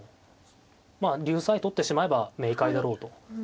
まあ竜さえ取ってしまえば明快だろうと。